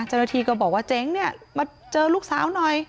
เจ้าหน้าที่ก็บอกว่าเจ๊งเนี่ยมาเจอลูกสาวหน่อย